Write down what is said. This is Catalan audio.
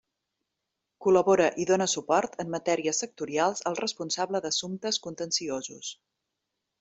Col·labora i dóna suport en matèries sectorials al responsable d'assumptes contenciosos.